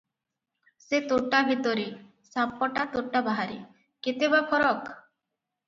ସେ ତୋଟା ଭିତରେ' ସାପଟା ତୋଟା ବାହାରେ- କେତେ ବା ଫରକ ।